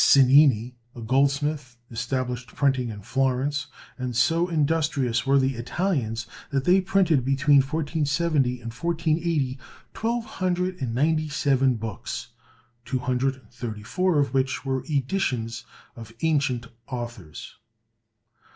Cennini, a goldsmith, established printing at Florence; and so industrious were the Italians that they printed between 1470 and 1480 twelve hundred and ninety seven books, two hundred and thirty four of which were editions of ancient authors.